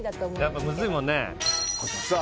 やっぱムズいもんね